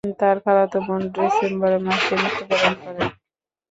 তার খালাতো বোন ডিসেম্বর মাসে মৃত্যুবরণ করে।